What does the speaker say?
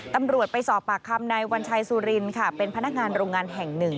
ตำรวจไปสอบปากคำนายวัญชัยสุรินค่ะเป็นพนักงานโรงงานแห่งหนึ่ง